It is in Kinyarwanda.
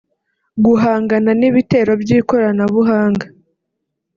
guhangana n’ibitero by’ikoranabuhanga